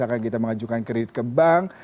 seperti misalkan kita mengajukan kredit ke bank